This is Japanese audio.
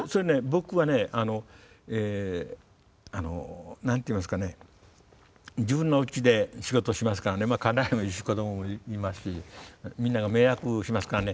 僕はね何ていいますかね自分のうちで仕事をしますからねまあ家内もいるし子どももいますしみんなが迷惑しますからね